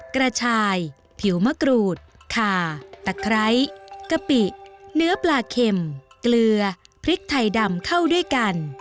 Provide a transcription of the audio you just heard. กระชายผิวมะกรูดคาตะไคร้กะปิเนื้อปลาเข็มเกลือพริกไทยดำเข้าด้วยกัน